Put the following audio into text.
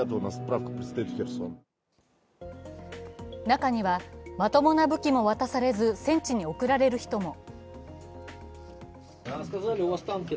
中には、まともな武器も渡されず戦地に送られる人も。